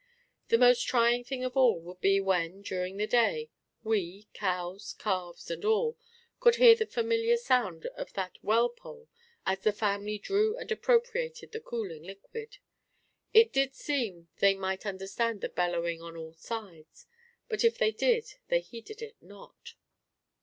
The most trying thing of all would be when, during the day, we cows, calves and all could hear the familiar sound of that well pole as the family drew and appropriated the cooling liquid. It did seem they might understand the bellowing on all sides; but if they did they heeded not.